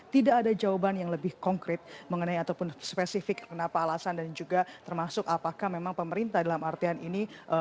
tidak ada jawaban yang lebih konkret mengenai ataupun spesifik kenapa alasan dan juga termasuk apakah memang pemerintah dalam artian ini